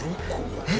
えっ？